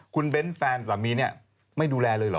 คุณเบ้นแฟนสามีเนี่ยไม่ดูแลเลยเหรอ